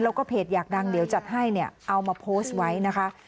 แล้วก็เพจอยากดังเดี๋ยวจัดให้เนี่ยเอามาโพสต์ไว้นะคะ